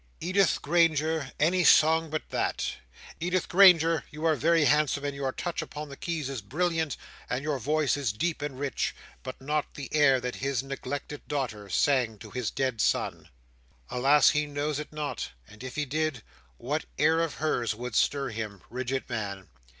Edith Granger, any song but that! Edith Granger, you are very handsome, and your touch upon the keys is brilliant, and your voice is deep and rich; but not the air that his neglected daughter sang to his dead son! Alas, he knows it not; and if he did, what air of hers would stir him, rigid man!